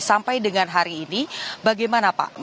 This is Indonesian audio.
sampai dengan hari ini bagaimana pak